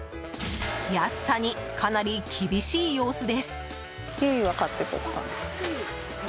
安さにかなり厳しい様子です。